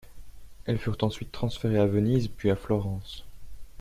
Elles furent ensuite transférées à Venise, puis à Florence.